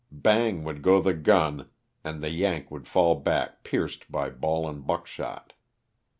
Bang would go the gun and the *' Yank" would fall back pierced by ball and buckshot.